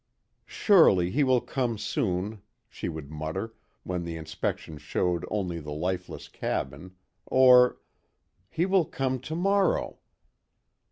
"Surely, he will come soon," she would mutter, when the inspection showed only the lifeless cabin, or, "He will come tomorrow."